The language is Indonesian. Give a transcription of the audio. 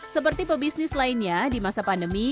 seperti pebisnis lainnya di masa pandemi